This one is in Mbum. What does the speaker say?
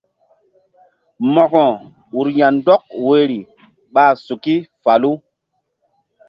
Mo̧ko ur ya̧ndɔk woyri ɓa suki falu.